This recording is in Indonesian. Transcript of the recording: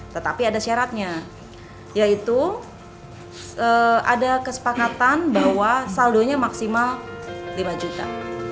tetapi ada syaratnya yaitu ada kesepakatan bahwa saldonya maksimal lima juta